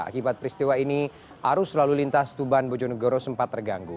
akibat peristiwa ini arus lalu lintas tuban bojonegoro sempat terganggu